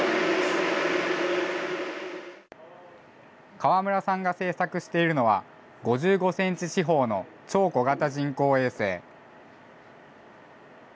河村さんが製作しているのは、５５センチ四方の超小型人工衛星。